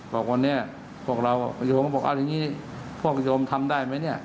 บอกวันนี้พวกเราประโยมก็บอกเอาอย่างนี้พวกโยมทำได้ไหมเนี่ย